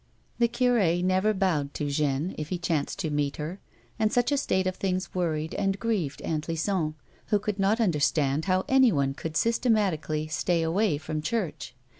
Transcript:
The cur^ never bowed to Jeanne if he chanced to meet her, and such a state of things worried and grieved Aunt Lison, who could not understand how anyone could systematically stay away from church.